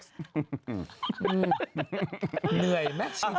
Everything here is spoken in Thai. เหนื่อยแม็กซ์ชีวิต